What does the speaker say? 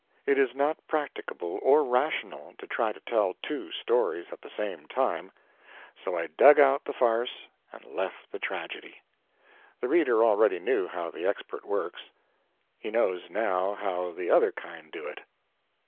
It is not practicable or rational to try to tell two stories at the same time; so I dug out the farce and left the tragedy. The reader already knew how the expert works; he knows now how the other kind do it.